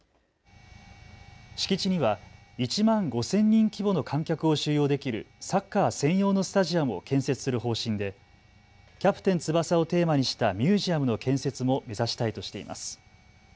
敷地には１万５０００人規模の観客を収容できるサッカー専用のスタジアムを建設する方針でキャプテン翼をテーマにしたミュージアムの建設も目指したいとしています。